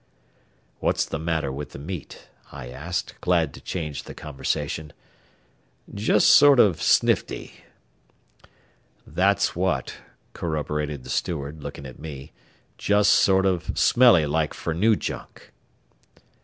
"What's the matter with the meat?" I asked, glad to change the conversation. "Jest sort o' snifty." "That's what," corroborated the steward, looking at me. "Jest sort o' smelly like fer new junk."